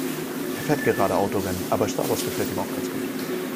Er fährt gerade Autorennen, aber Star Wars gefällt ihm auch ganz gut.